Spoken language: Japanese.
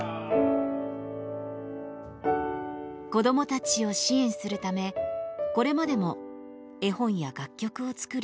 子どもたちを支援するためこれまでも絵本や楽曲を作り